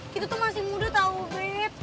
kita tuh masih muda tau deh